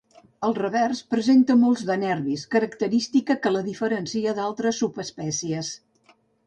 Al revers presenta molts de nervis, característica que la diferencia d'altres subespècies.